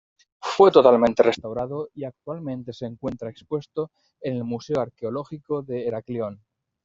Fue totalmente restaurado y actualmente se encuentra expuesto en el Museo Arqueológico de Heraclión.